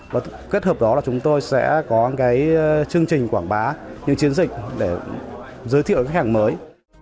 và kết hợp đó là chúng tôi sẽ có cái chương trình quảng bá những chiến dịch để giới thiệu khách hàng mới